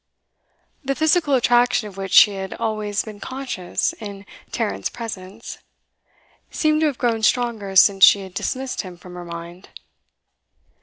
The physical attraction of which she had always been conscious in Tarrant's presence seemed to have grown stronger since she had dismissed him from her mind.